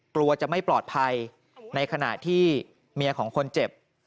กลัวจะไม่ปลอดภัยในขณะที่เมียของคนเจ็บ